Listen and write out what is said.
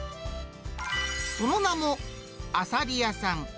その名も、あさり屋さん。